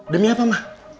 demi apa ma